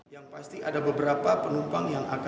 yang pasti ada beberapa penumpang yang akan